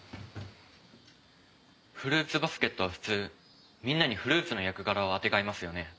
フルーツバスケットは普通みんなにフルーツの役柄をあてがいますよね？